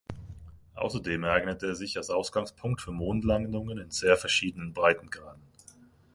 Außerdem eignet er sich als Ausgangspunkt für Mondlandungen in sehr verschiedenen Breitengraden.